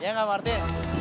iya gak martin